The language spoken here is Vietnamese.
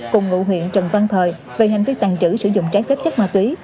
cùng ngụ huyện trần văn thời về hành vi tàn trữ sử dụng trái phép chất ma túy